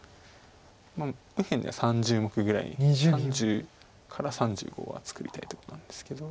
右辺で３０目ぐらい３０から３５は作りたいとこなんですけど。